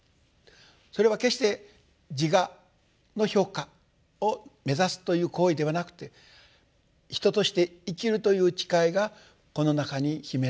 それは決して自我の評価を目指すという行為ではなくて人として生きるという誓いがこの中に秘められている。